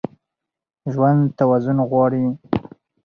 ژوند توازن غواړي.